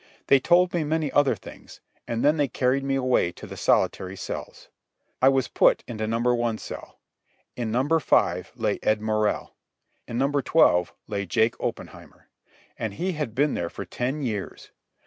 They told me many other things, and then they carried me away to the solitary cells. I was put into Number One cell. In Number Five lay Ed Morrell. In Number Twelve lay Jake Oppenheimer. And he had been there for ten years.